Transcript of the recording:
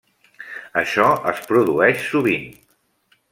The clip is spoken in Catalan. Això, es produeix sovint.